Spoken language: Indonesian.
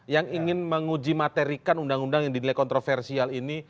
yang ingin menguji materikan undang undang yang dinilai kontroversial ini